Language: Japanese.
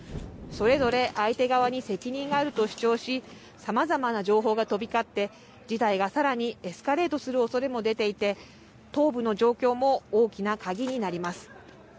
それぞれ相手側に責任があると主張し、さまざまな情報が飛び交って、事態がさらにエスカレートするおそれも出ていて、東部の状況も大きな鍵になります。